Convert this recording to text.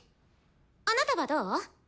あなたはどう？